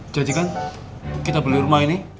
jadi kan kita beli rumah ini